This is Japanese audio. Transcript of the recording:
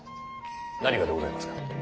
何がでございますか？